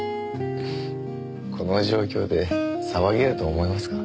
この状況で騒げると思いますか？